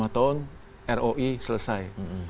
lima tahun roi selesai